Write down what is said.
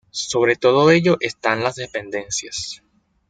Sobre todo ello están las dependencias.